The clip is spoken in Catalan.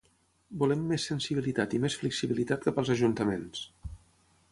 “Volem més sensibilitat i més flexibilitat cap als ajuntaments”.